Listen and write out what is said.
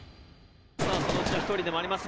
さぁそのうちの１人でもあります